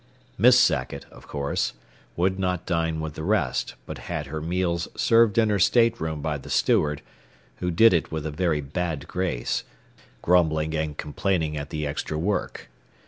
Miss Sackett, of course, would not dine with the rest, but had her meals served in her stateroom by the steward, who did it with a very bad grace, grumbling and complaining at the extra work.